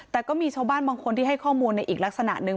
แต่ก็มีชาวบ้านบางคนที่ให้ข้อมูลในอีกลักษณะหนึ่ง